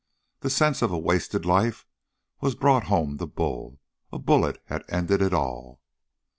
The sense of a wasted life was brought home to Bull; a bullet had ended it all!